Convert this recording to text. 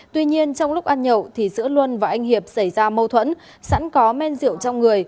tuy nhiên trong lúc ăn nhậu thì giữa luân và anh hiệp xảy ra mâu thuẫn sẵn có men rượu trong người